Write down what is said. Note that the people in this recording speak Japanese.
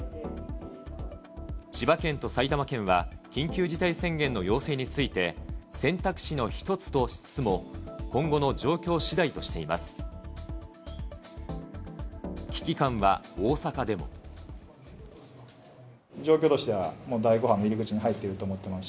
千葉県と埼玉県は緊急事態宣言の要請について選択肢の一つとしつつも、今後の状況しだいとしています。